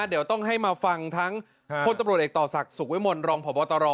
เดี๋ยวต้องให้มาฟังทั้งคนตำรวจเอกต่อศักดิ์สุขวิมลรองพบตร